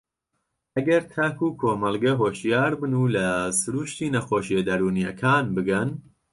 ئەگەر تاک و کۆمەڵگە هۆشیار بن و لە سرووشتی نەخۆشییە دەروونییەکان بگەن